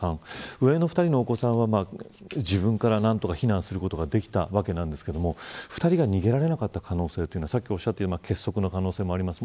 上の２人のお子さんは自分から何とか避難することができたわけですが２人が逃げられなかった可能性さっきおっしゃったような結束の可能性もあります。